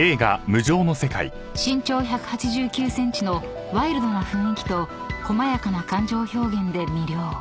［身長１８９ｃｍのワイルドな雰囲気とこまやか感情表現で魅了］